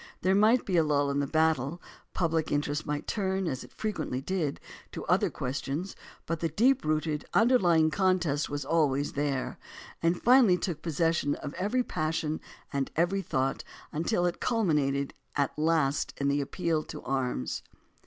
There might be a lull in the battle, public interest might turn, as it fre quently did, to other questions, but the deep rooted, underlying contest was always there, and finally took possession of every passion and every thought, until it culminated at last in the appeal to arms.